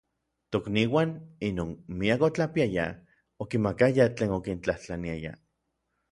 Tokniuan inon miak otlapiayaj, okimakayaj tlen okintlajtlaniaya.